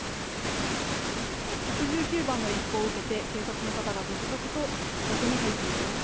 １１９番の一報を受けて警察の方が続々と自宅に入っていきます。